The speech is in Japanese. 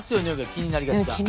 気になりがち。